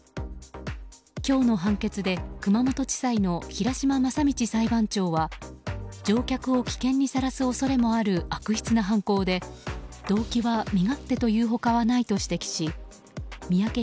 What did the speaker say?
今日の判決で熊本地裁の平島正道裁判長は乗客を危険にさらす恐れもある悪質な犯行で動機は身勝手という他はないと指摘し三宅